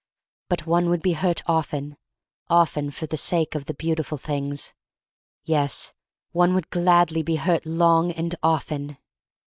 But one would be hurt often, often for the sake of the beautiful things. Yes, one would gladly be hurt long and often.